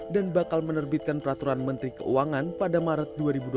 dan bakal menerbitkan peraturan menteri keuangan pada maret dua ribu dua puluh tiga